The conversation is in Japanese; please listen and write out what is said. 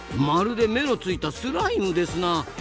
まるで目のついたスライムですな。